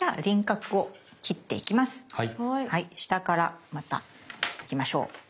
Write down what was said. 下からまた行きましょう。